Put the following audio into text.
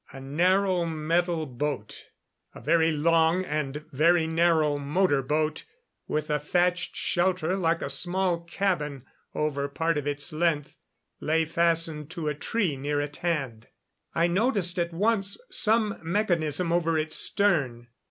A narrow metal boat a very long and very narrow motor boat with a thatched shelter like a small cabin over part of its length lay fastened to a tree near at hand. I noticed at once some mechanism over its stern.